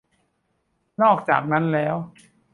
นอกจากนั้นแล้ว